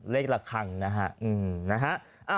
เลขละครั้งนะฮะ